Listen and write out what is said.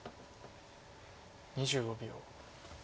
２５秒。